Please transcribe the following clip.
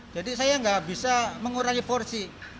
jadi saya nggak bisa mengurangi porsi